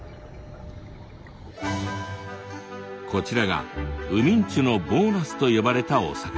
こちらが海人のボーナスと呼ばれたお魚。